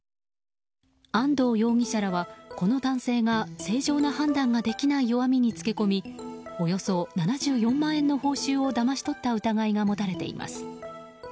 安藤容疑者らはこの男性が正常な判断ができない弱みにつけ込みおよそ７４万円の報酬をだまし取った疑いが持たれています。